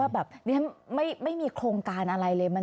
ว่าแบบไม่มีโครงการอะไรเลย